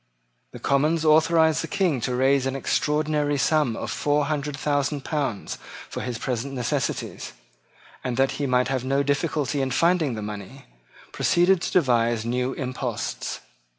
The Commons authorised the King to raise an extraordinary sum of four hundred thousand pounds for his present necessities, and that he might have no difficulty in finding the money, proceeded to devise new imposts.